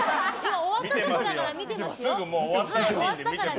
終わったところだから見てますよ。